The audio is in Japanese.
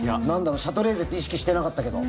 シャトレーゼって意識してなかったけど。